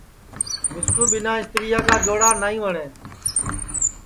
مِسکُو ٻنا اِستریا کا جوڑا نئی وٹؔے